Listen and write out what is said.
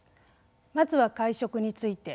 まずは会食について。